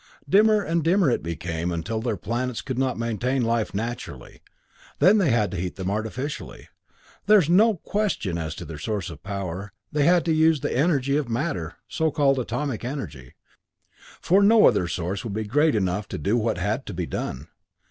Dimmer and dimmer it became, until their planets could not maintain life naturally. Then they had to heat them artificially. There is no question as to their source of power; they had to use the energy of matter so called atomic energy for no other source would be great enough to do what had to be done.